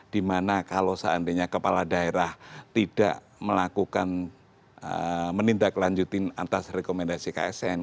dimana kalau seandainya kepala daerah tidak melakukan menindaklanjutin atas rekomendasi ksn